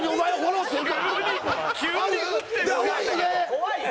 怖いよ！